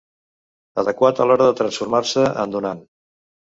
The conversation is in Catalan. Adequat a l'hora de transformar-se en donant.